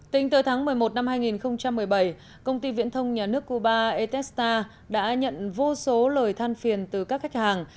tính tới tháng một mươi một năm hai nghìn một mươi bảy công ty viễn thông nhà nước cuba etexa đã nhận vô số lời than phiền từ các khách hàng